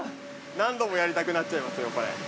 何度もやりたくなっちゃいますよ、これ。